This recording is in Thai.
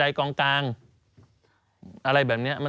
สนุนโดยหวานได้ทุกที่ที่มีพาเลส